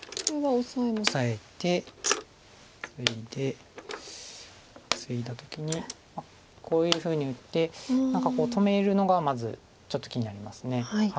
オサえてツイでツイだ時にこういうふうに打って何か止めるのがまずちょっと気になります。